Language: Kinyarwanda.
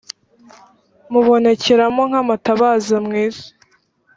mubonekeramo nk amatabaza mu isi